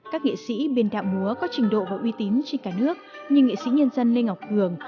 các nghệ sĩ biên đạo múa có trình độ và uy tín trên cả nước như nghệ sĩ nhân dân lê ngọc hường